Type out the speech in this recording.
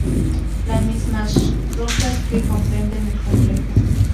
Las mismas rocas que comprende el complejo.